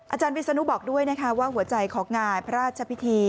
อาจารย์วิศนุบอกด้วยนะคะว่าหัวใจของงานพระราชพิธี